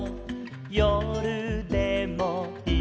「よるでもいるよ」